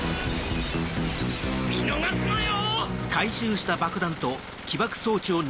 見逃すなよ！